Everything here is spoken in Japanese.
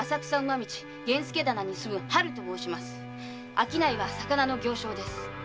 商いは魚の行商です。